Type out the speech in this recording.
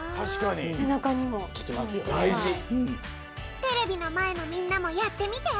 テレビのまえのみんなもやってみて！